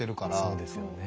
そうですよね。